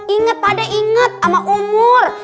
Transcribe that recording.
ingat pak d ingat sama umur